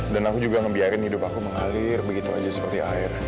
dan aku juga ngebiarin hidup aku mengalir begitu aja seperti air